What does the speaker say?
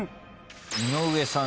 井上さん